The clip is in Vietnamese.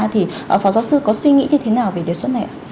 thì phó giáo sư có suy nghĩ như thế nào về đề xuất này ạ